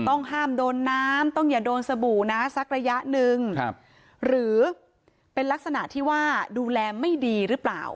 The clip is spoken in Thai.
ต้องห้ามโดนน้ำต้องอย่าโดนสบู่นะสักระยะหนึ่งหรือเป็นลักษณะที่ว่าดูแลไม่ดีหรือเปล่า